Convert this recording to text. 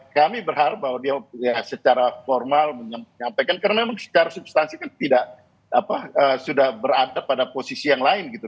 kami berharap bahwa dia secara formal menyampaikan karena memang secara substansi kan tidak sudah berada pada posisi yang lain gitu